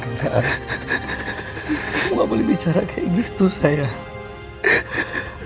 mangeran kamu gak boleh bicara kayak gitu sayang